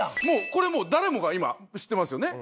これもう誰もが今知ってますよね。